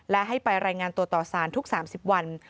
และให้ไปรายงานตัวต่อสารทุก๓๐วัน